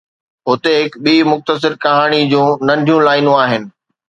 هتي هڪ ٻي مختصر ڪهاڻي جون ننڍيون لائينون آهن